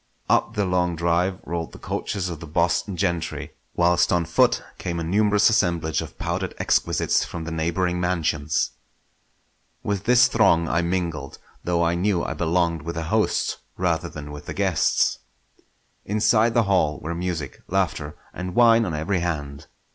Up the long drive rolled the coaches of the Boston gentry, whilst on foot came a numerous assemblage of powdered exquisites from the neighbouring mansions. With this throng I mingled, though I knew I belonged with the hosts rather than with the guests. Inside the hall were music, laughter, and wine on every hand.